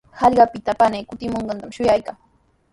Hallqapita panii kutimunantami shuyaykaa.